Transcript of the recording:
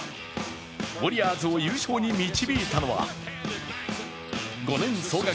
ウォリアーズを優勝に導いたのは５年総額